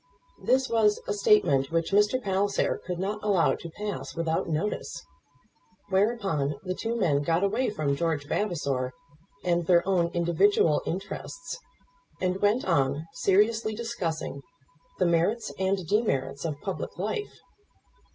This was a statement which Mr. Palliser could not allow to pass without notice. Whereupon the two men got away from George Vavasor and their own individual interests, and went on seriously discussing the merits and demerits of public life.